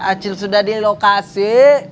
acil sudah di lokasi